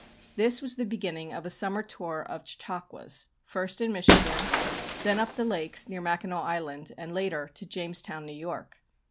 This was the beginning of a summer tour of Chautauquas, first in Michigan, then up the lakes near Mackinaw Island, and later to Jamestown, New York.